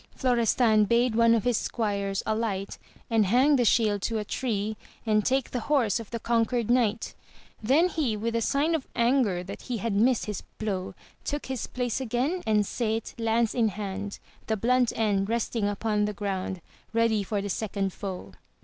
Florestan bade one of his squires alight and hang the shield to a tree and take the horse of the conquered knight ; then he, with a sign of anger that he had missed his blow, took his place again, and sate lance in hand, the blunt end resting upon the ground, ready for the second foe.